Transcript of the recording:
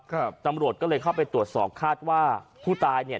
ครับตำรวจก็เลยเข้าไปตรวจสอบคาดว่าผู้ตายเนี่ย